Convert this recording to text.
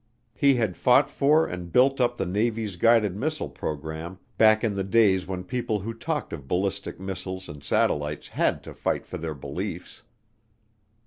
He had fought for and built up the Navy's guided missile program back in the days when people who talked of ballistic missiles and satellites had to fight for their beliefs.